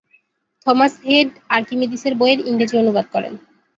Thomas Heath আর্কিমিডিসের বইয়ের ইংরেজি অনুবাদ করেন।